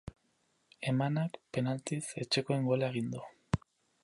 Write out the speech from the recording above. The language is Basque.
Emanak, penaltiz, etxekoen gola egin du.